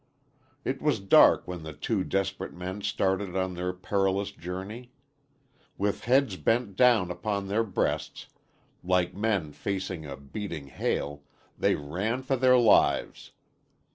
It was dark when the two desperate men started on their perilous journey. With heads bent down upon their breasts, like men facing a beating hail, they ran for their lives.